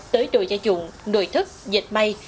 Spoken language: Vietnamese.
tới đồ gia dụng nồi thức dệt may